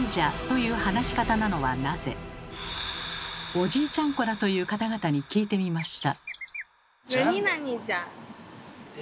おじいちゃん子だという方々に聞いてみました。